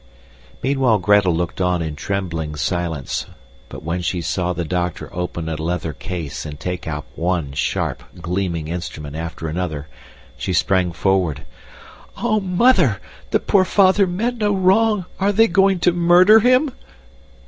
Meanwhile Gretel looked on in trembling silence, but when she saw the doctor open a leather case and take out one sharp, gleaming instrument after another, she sprang forward. "Oh, Mother! The poor father meant no wrong. Are they going to MURDER him?"